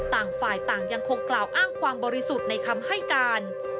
ต่างฝ่ายต่างยังคงกล่าวอ้างความบริสุทธิ์ในคำให้การ